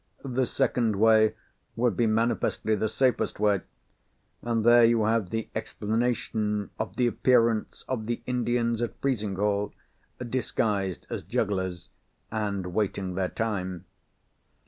The second way would be manifestly the safest way—and there you have the explanation of the appearance of the Indians at Frizinghall, disguised as jugglers, and waiting their time.